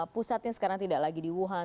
pusatnya sekarang tidak lagi di wuhan